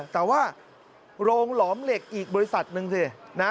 แต่ว่าโรงหลอมเหล็กอีกบริษัทหนึ่งสินะ